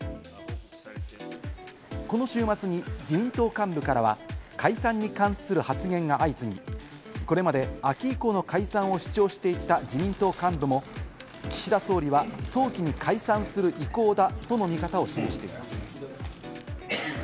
この週末に自民党幹部からは解散に関する発言が相次ぎ、これまで秋以降の解散を主張していた自民党幹部も岸田総理は早期に解散する意向だとの見方を示しています。